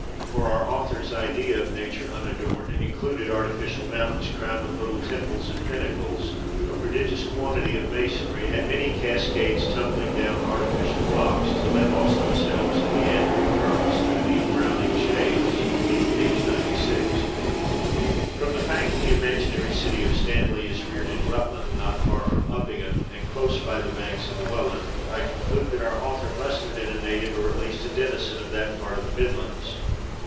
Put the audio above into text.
For our author's idea of " nature unadorned " included artificial mountains crowned with little temples and pinnacles, a prodigious quantity of masonry, and " many cascades tumbling down artificial rocks, till they lost themselves in meandering currents through the embrowning shades " (p. 96). From the fact that the imaginary city of Stanley is reared in Rutland, not far from Uppingham, and close by the banks of the Welland, I conclude that our author must have been a native, or at least a denizen, of that part of the Midlands.